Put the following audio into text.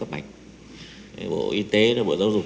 bộ y tế bộ giáo dục